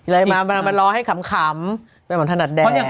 ให้ล้อให้ขำก็แบบหม่อมถนัดแดก